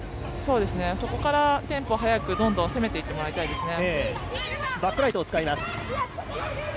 そこからテンポ速くどんどん攻めていってもらいたいですね。